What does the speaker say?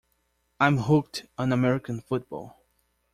I'm hooked on American football.